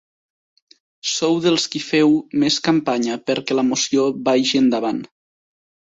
Sou dels qui feu més campanya perquè la moció vagi endavant.